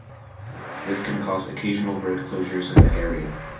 This can cause occasional road closures in the area.